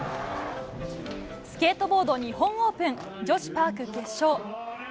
スケートボード日本オープン、女子パーク決勝。